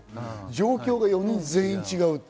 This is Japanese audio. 状況が４人全員違う。